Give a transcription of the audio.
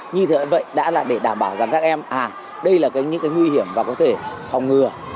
như vậy đã là để đảm bảo rằng các em à đây là những cái nguy hiểm và có thể phòng ngừa